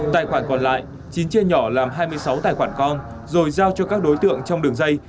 tài khoản còn lại chín chia nhỏ làm hai mươi sáu tài khoản con rồi giao cho các đối tượng trong đường dây